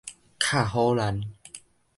敲虎膦